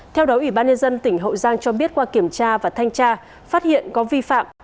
theo đó ủy ban nhân dân tỉnh hậu giang cho biết qua kiểm tra và thanh tra phát hiện có vi phạm